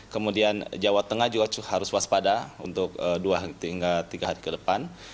kemudian jawa tengah juga harus waspada untuk dua hingga tiga hari ke depan